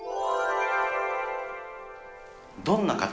どんな方？